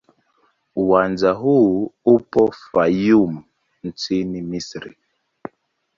Uwanja huu upo Fayoum nchini Misri.